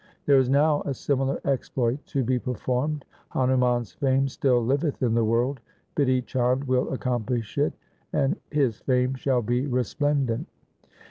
There is now a similar exploit to be performed. Hanuman' s fame still liveth in the world. Bidhi Chand will accomplish it, and his fame shall be resplendent.'